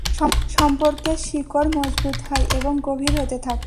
সম্পর্কে শিকড় মজবুত হয় এবং গভীর হতে থাকে।